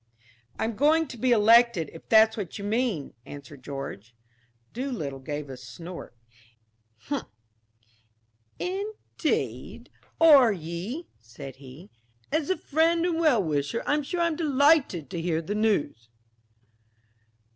"I'm going to be elected, if that's what you mean," answered George. Doolittle gave a snort. "Indeed, are ye?" said he. "As a friend and well wisher, I'm sure I'm delighted to hear the news."